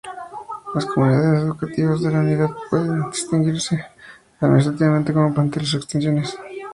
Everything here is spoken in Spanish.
Las comunidades educativas de la Unidad pueden distinguirse administrativamente como planteles o extensiones.